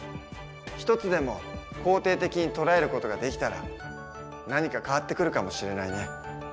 一つでも肯定的に捉える事ができたら何か変わってくるかもしれないね。